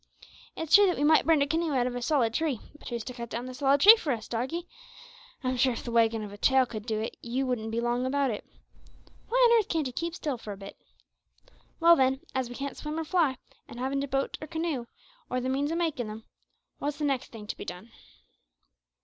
It's true that we might burn a canoe out of a solid tree, but who's to cut down the solid tree for us, doggie? I'm sure if the waggin' of a tail could do it you wouldn't be long about it! Why on earth can't 'ee keep it still for a bit? Well, then, as we can't swim or fly, and haven't a boat or canoe, or the means o' makin' em, what's the next thing to be done?"